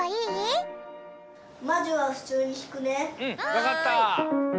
わかった！